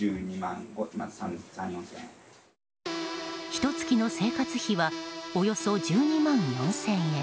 ひと月の生活費はおよそ１２万４０００円。